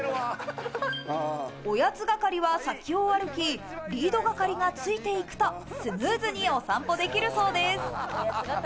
おやつ係は先を歩き、リード係がついていくと、スムーズにお散歩できるそうです。